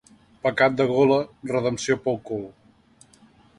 Pecat de gola, redempció pel cul.